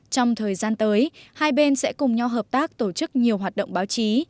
trong thời gian tới hai bên sẽ cùng nhau hợp tác tổ chức nhiều hoạt động báo chí